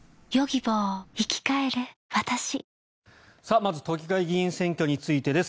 まず都議会議員選挙についてです。